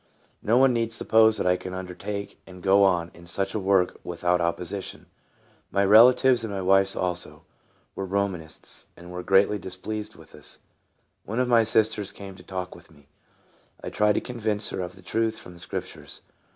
No one need suppose that I could under take and go on in such a work without oppo sition. My relatives, and my wife's also, were Romanists, and were greatly displeased with us. One of my sisters came to talk with me. I tried to convince her of the truth from the Scriptures.